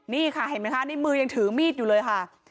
นี่ค่ะเห็นไหมคะในมือยังถือมีดอยู่เลยค่ะ